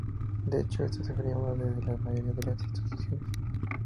De hecho, eso se afirmaba desde la mayoría de las instituciones.